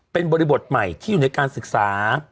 เป็นบริบทใหม่ที่อยู่ในการศึกษา